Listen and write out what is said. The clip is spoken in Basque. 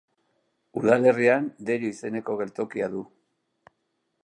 Udalerrian Derio izeneko geltokia du.